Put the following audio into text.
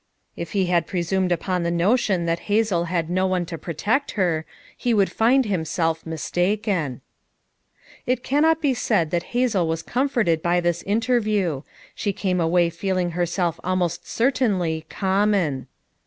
If he had presumed upon the notion FOUE MOTHERS AT CHAUTAUQUA 243 that Hazel bad no one to protect her, he would find himself mistaken. It cannot be said that Hazel was comforted by this interview; she came away feeling her self almost certainly "common."